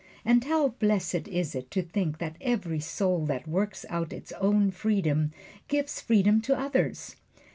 And how blessed is it to think that every soul that works out its own freedom gives freedom to others!